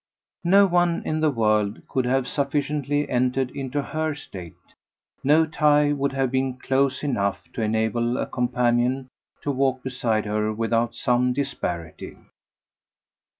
No one in the world could have sufficiently entered into her state; no tie would have been close enough to enable a companion to walk beside her without some disparity.